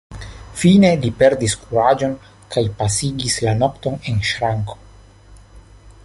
Fine li perdis kuraĝon kaj pasigis la nokton en ŝranko.